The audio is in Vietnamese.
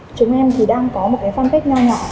chúng em thì đang có một cái phân tích nho nhỏ